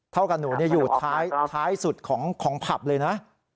กับหนูอยู่ท้ายสุดของผับเลยนะ